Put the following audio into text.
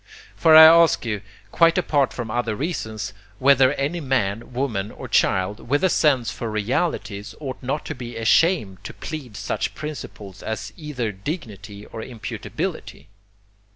For I ask you, quite apart from other reasons, whether any man, woman or child, with a sense for realities, ought not to be ashamed to plead such principles as either dignity or imputability.